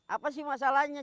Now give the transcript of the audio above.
apa sih masalahnya